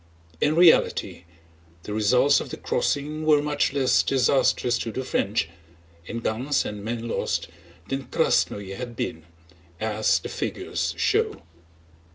In reality the results of the crossing were much less disastrous to the French—in guns and men lost—than Krásnoe had been, as the figures show.